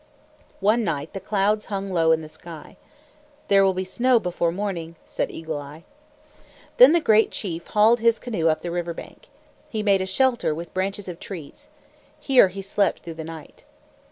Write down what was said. One night the clouds hung low in the sky. "There will be snow before morning," said Eagle Eye. Then the great chief hauled his canoe up the river bank. He made a shelter with branches of trees. Here he slept through the night.